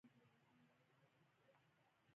جنرال خوشحال سادات،